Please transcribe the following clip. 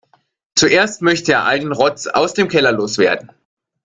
Zuerst möchte er all den Rotz aus dem Keller loswerden.